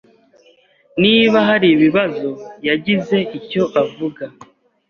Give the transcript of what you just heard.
Niba haribibazo, yagize icyo avuga.